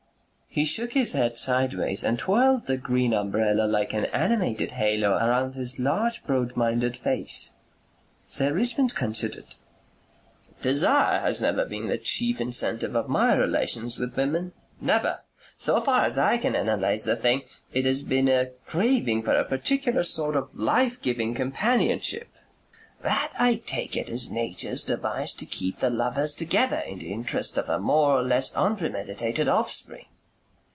He shook his head sideways and twirled the green umbrella like an animated halo around his large broad minded face. Sir Richmond considered. "Desire has never been the chief incentive of my relations with women. Never. So far as I can analyze the thing, it has been a craving for a particular sort of life giving companionship." "That I take it is Nature's device to keep the lovers together in the interest of the more or less unpremeditated offspring."